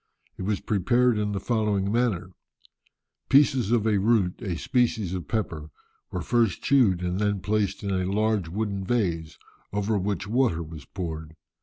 It was prepared in the following manner: Pieces of a root, a species of pepper, were first chewed, and then placed in a large wooden vase, over which water was poured.